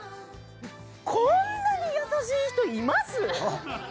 こんなに優しい人います